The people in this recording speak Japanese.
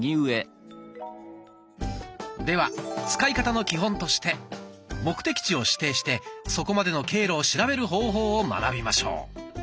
では使い方の基本として目的地を指定してそこまでの経路を調べる方法を学びましょう。